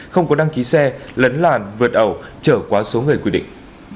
không có đăng ký xe lấn làn vượt ẩu trở quá số người quy định